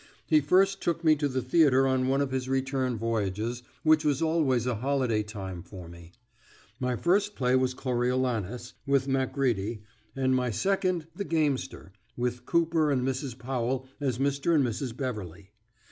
He first took me to the theatre on one of his return voyages, which was always a holiday time for me. My first play was "Coriolanus," with Macready, and my second "The Gamester," with Cooper and Mrs. Powell as Mr. and Mrs. Beverley.